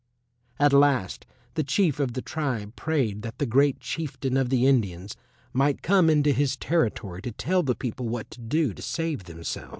At last the Chief of the tribe prayed that the Great Chieftain of the Indians might come into his territory to tell the people what to do to save themselves.